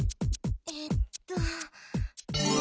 えっと。